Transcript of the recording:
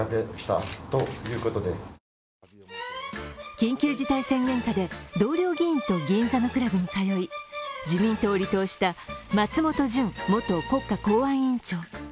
緊急事態宣言下で同僚議員と銀座のクラブに通い、自民党を離党した松本純元国家公安委員長。